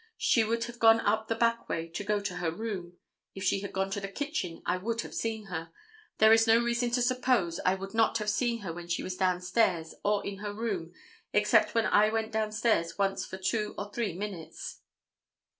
She would have gone up the back way to go to her room. If she had gone to the kitchen I would have seen her. There is no reason to suppose I would not have seen her when she was down stairs or in her room, except when I went down stairs once for two or three minutes."